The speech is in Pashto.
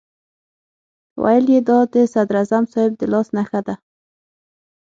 ویل یې دا د صدراعظم صاحب د لاس نښه ده.